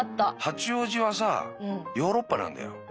八王子はさヨーロッパなんだよ